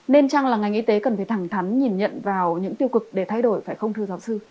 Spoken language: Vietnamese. nên chăng là ngành y tế cần phải thẳng thắn nhìn nhận vào những tiêu cực để thay đổi phải không thưa giáo sư